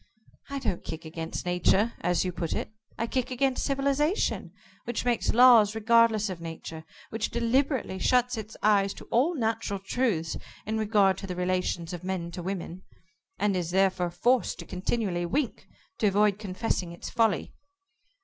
"I don't kick against Nature as you put it I kick against civilization, which makes laws regardless of Nature, which deliberately shuts its eyes to all natural truths in regard to the relations of men to women, and is therefore forced to continually wink to avoid confessing its folly."